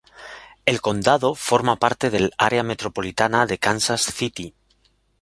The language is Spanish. El condado forma parte del área metropolitana de Kansas City.